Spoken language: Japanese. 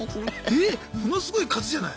えっものすごい数じゃない？